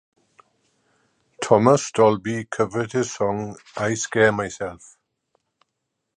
Thomas Dolby covered his song "I Scare Myself".